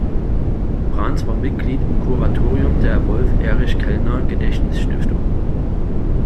Brans war Mitglied im Kuratorium der Wolf-Erich-Kellner-Gedächtnisstiftung.